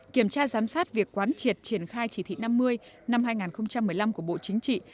kiểm tra giám sát việc quán triệt triển khai chỉ thị năm mươi năm hai nghìn một mươi năm của bộ chính trị